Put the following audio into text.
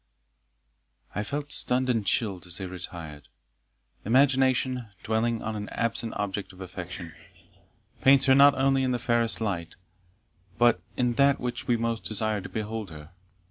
I felt stunned and chilled as they retired. Imagination, dwelling on an absent object of affection, paints her not only in the fairest light, but in that in which we most desire to behold her.